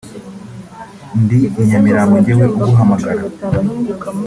ndi i Nyamirambo njyewe uguhamagara